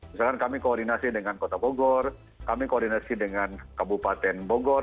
misalkan kami koordinasi dengan kota bogor kami koordinasi dengan kabupaten bogor